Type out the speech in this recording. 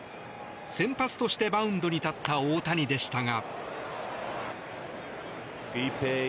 先発としてマウンドに立った大谷でしたが。